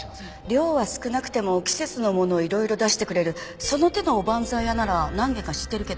量は少なくても季節のものをいろいろ出してくれるその手のおばんざい屋なら何軒か知ってるけど。